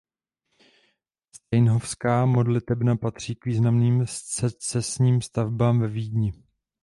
Steinhofská modiltebna patří k významným secesním stavbám ve Vídni.